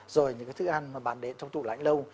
rồi những cái thức ăn mà bạn để trong tủ lãnh lâu